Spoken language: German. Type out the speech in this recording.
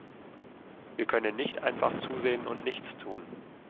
Wir können nicht einfach zusehen und nichts tun.